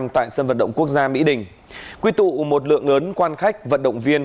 tại sân vận động quốc gia mỹ đình quy tụ một lượng lớn quan khách vận động viên